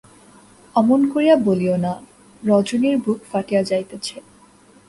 অমন করিয়া বলিয়ো না, রজনীর বুক ফাটিয়া যাইতেছে।